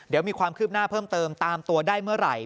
เดี๋ยวมีความคืบหน้าเพิ่มเติมตามตัวได้เมื่อไหร่